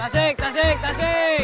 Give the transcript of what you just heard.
tasik tasik tasik